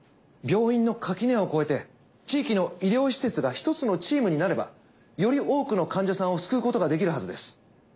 病院の垣根を超えて地域の医療施設がひとつのチームになればより多くの患者さんを救うことができるはずです。